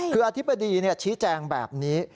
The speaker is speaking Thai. คืออธิบดีชี้แจงแบบนี้